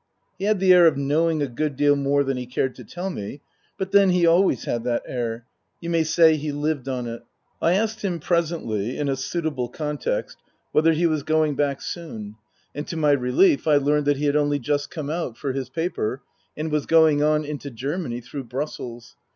He had the air of knowing a good deal more than he cared to tell me ; but then he always had that air ; you may say he lived on it. I asked him presently (in a suitable context) whether Book I : My Book 59 he was going back soon ; and to my relief I learned that he had only just come out for his paper and was going on into Germany through Brussels.